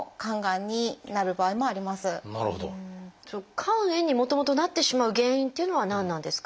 肝炎にもともとなってしまう原因っていうのは何なんですか？